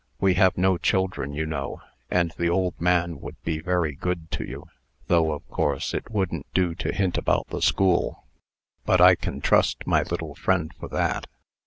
We have no children, you know, and the old man would be very good to you; though, of course, it wouldn't do to hint about the school. But I can trust my little friend for that.